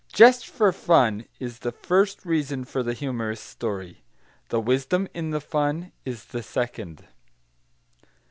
"Just for fun" is the first reason for the humorous story; the wisdom in the fun is the second.